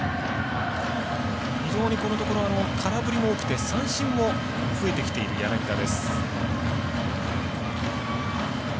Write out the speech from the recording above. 非常にこのところ空振りも多くて三振も増えてきている柳田。